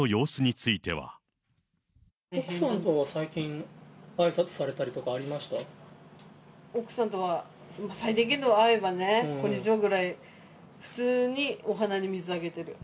奥さんとは最近、あいさつさ奥さんとは最低限度は、会えばね、こんにちはぐらい、普通にお花に水あげてる。